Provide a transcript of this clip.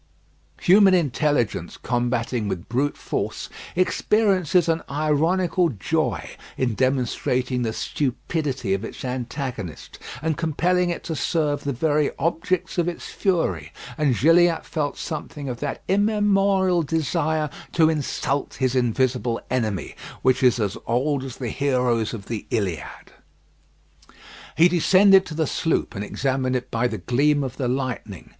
Human intelligence combating with brute force experiences an ironical joy in demonstrating the stupidity of its antagonist, and compelling it to serve the very objects of its fury, and Gilliatt felt something of that immemorial desire to insult his invisible enemy, which is as old as the heroes of the Iliad. He descended to the sloop and examined it by the gleam of the lightning.